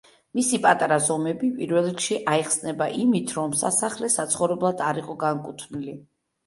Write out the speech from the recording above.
მისი პატარა ზომები, პირველ რიგში, აიხსნება იმით, რომ სასახლე საცხოვრებლად არ იყო განკუთვნილი.